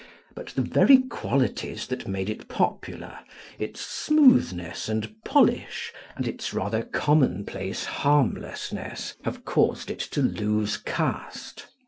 But the very qualities that made it popular its smoothness and polish and its rather commonplace harmlessness have caused it to lose caste.